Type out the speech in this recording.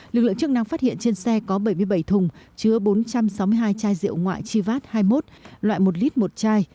lực lượng chức năng phát hiện trên xe có bảy mươi bảy thùng chứa bốn trăm sáu mươi hai chai rượu ngoại chivat hai mươi một loại một lít một chai